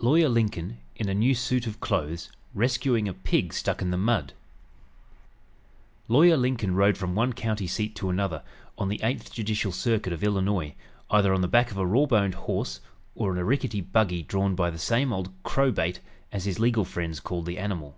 LAWYER LINCOLN, IN A NEW SUIT OF CLOTHES, RESCUING A PIG STUCK IN THE MUD Lawyer Lincoln rode from one county seat to another, on the Eighth Judicial Circuit of Illinois, either on the back of a raw boned horse, or in a rickety buggy drawn by the same old "crowbait," as his legal friends called the animal.